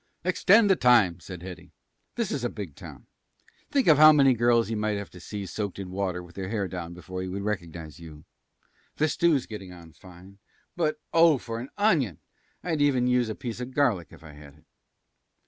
"Extend the time," said Hetty. "This is a big town. Think of how many girls he might have to see soaked in water with their hair down before he would recognize you. The stew's getting on fine but oh, for an onion! I'd even use a piece of garlic if I had it."